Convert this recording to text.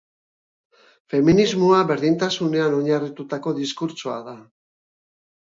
Feminismoa berdintasunean oinarritutako diskurtsoa da.